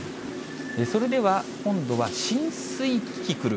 それでは、今度は浸水キキクル。